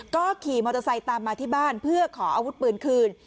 ก็ขี่มอเตอร์ไซค์ตามมาที่บ้านเพื่อขออาวุธปืนคืน